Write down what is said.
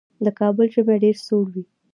د کابل ژمی ډېر سوړ وي.